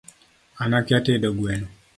An akia tedo gweno